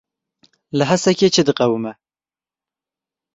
Li Hesekê çi diqewime?